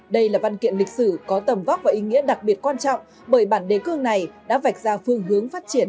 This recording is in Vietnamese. đây là văn kiện lịch sử có tầm vóc và ý nghĩa đặc biệt quan trọng bởi bản đề cương này đã vạch ra phương hướng phát triển